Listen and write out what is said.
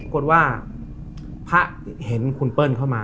ปรากฏว่าพระเห็นคุณเปิ้ลเข้ามา